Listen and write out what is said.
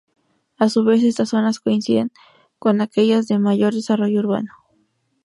A su vez estas zonas coinciden con aquellas de mayor desarrollo urbano.